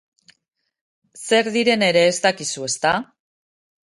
Zer diren ere ez dakizu, ezta?